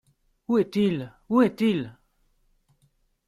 Où est-il ? où est-il ?